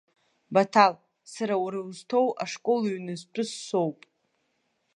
Баҭал, сара уара узҭоу ашкол-ҩны зтәыз соуп.